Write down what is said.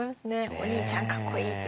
お兄ちゃんかっこいいって。